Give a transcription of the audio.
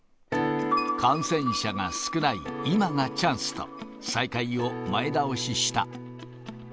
感染者が少ない今がチャンスと、再会を前倒しした。